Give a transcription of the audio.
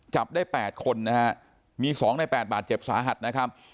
จับได้๘คนนะฮะมี๒ใน๘บาดเจ็บสาหัสนะครับ